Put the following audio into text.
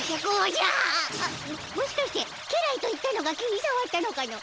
もしかして家来と言ったのが気にさわったのかの？